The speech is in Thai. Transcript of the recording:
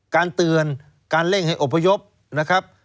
การเตือนการเร่งให้อบพยพนะครับ